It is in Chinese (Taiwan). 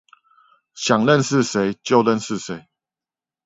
想認識誰就認識誰